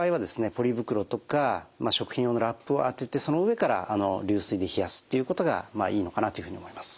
ポリ袋とか食品用のラップを当ててその上から流水で冷やすっていうことがいいのかなというふうに思います。